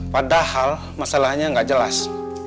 padahal masalahnya enggak jelas